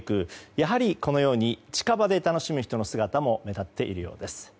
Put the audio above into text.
やはり、このように近場で楽しむ人の姿も目立っているようです。